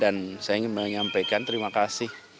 dan saya ingin menyampaikan terima kasih